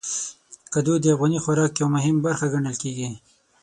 کدو د افغاني خوراک یو مهم برخه ګڼل کېږي.